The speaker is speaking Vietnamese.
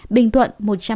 bình thuận một trăm linh tám